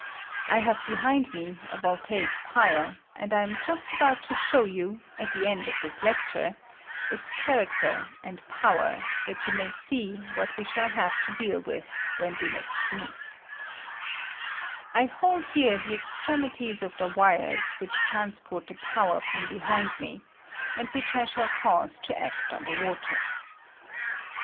I have behind me a voltaic pile, and I am just about to show you, at the end of this lecture, its character and power, that you may see what we shall have to deal with when next we meet. I hold here the h. J I THE VOLTAIC BATTEET. 9S extremities of ib.e wirea which transport the pov toa con ziii( sue] con I I power from behind me, and which I shall cause to act on the water.